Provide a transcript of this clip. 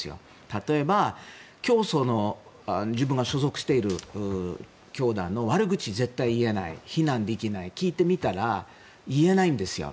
例えば自分が所属している教団の悪口を絶対に言えない非難できない聞いてみたら言えないんですよ。